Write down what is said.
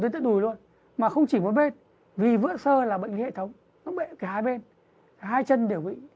dưới đuôi luôn mà không chỉ một bên vì vữa sơ là bệnh hệ thống nó bị cái hai bên hai chân đều bị